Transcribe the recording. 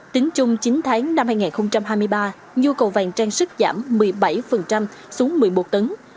tính chung chín tháng năm hai nghìn hai mươi ba nhu cầu vàng trang sức giảm một mươi bảy xuống một mươi một tấn